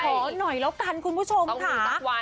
ขอหน่อยแล้วกันคุณผู้ชมค่ะ